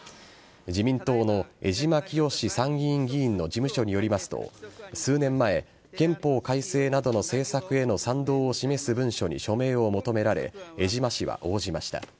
自民党の江島潔参議院議員の事務所によりますと数年前、憲法改正などの政策への賛同を示す文書に署名を求められ江島氏は応じました。